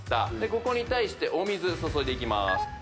ここに対してお水注いでいきます